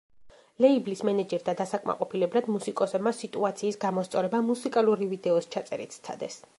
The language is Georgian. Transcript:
ლეიბლის მენეჯერთა დასაკმაყოფილებლად მუსიკოსებმა სიტუაციის გამოსწორება მუსიკალური ვიდეოს ჩაწერით სცადეს.